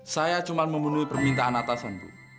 saya cuma memenuhi permintaan atasan bu